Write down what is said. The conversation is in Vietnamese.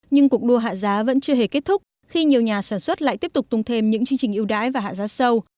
nhưng cuộc đua hạ giá vẫn chưa hề kết thúc khi nhiều nhà sản xuất lại tiếp tục tung thêm những chương trình yêu đái và hạ giá sâu